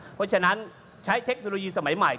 เพราะฉะนั้นใช้เทคโนโลยีสมัยใหม่